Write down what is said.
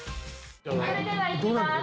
それではいきます。